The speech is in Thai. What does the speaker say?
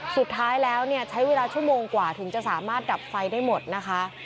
สุดท้ายแล้วใช้เวลาชั่วโมงกว่าถึงจะสามารถดับไฟได้หมดนะคะ